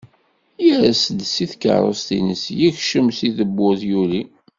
Yers-d si tkerrust-ines yekcem si tewwurt, yuli.